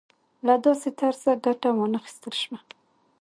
له داسې طرزه ګټه وانخیستل شوه.